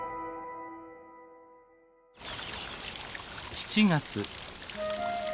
７月。